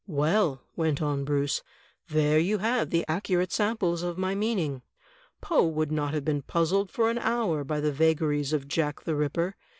"Well," went on Bruce, "there you have the accurate samples of my meaning. Poe would not have been puzzled for an hour by the vagaries of Jack the Ripper.